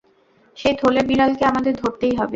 সেই থলের বিড়ালকে আমাদের ধরতেই হবে।